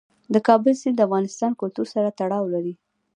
د کابل سیند د افغان کلتور سره تړاو لري.